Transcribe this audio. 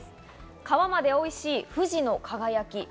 皮までおいしい、富士の輝です。